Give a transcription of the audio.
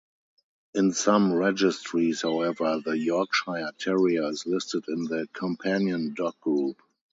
In some registries, however, the Yorkshire Terrier is listed in the Companion Dog group.